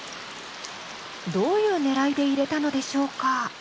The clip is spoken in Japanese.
どういうねらいで入れたのでしょうか？